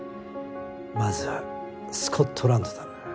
まずはスコットランドだな。